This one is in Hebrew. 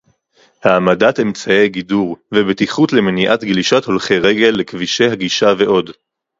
העמדת אמצעי גידור ובטיחות למניעת גלישת הולכי רגל לכבישי הגישה ועוד